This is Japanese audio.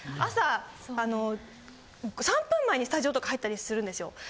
朝３分前とかにスタジオとか入ったりするんですよ。